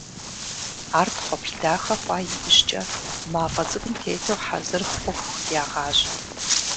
Ар тхъуэплъ дахэ хъуа иужькӀэ, мафӀэ цӀыкӀум тету хьэзыр хъуху ягъажьэ.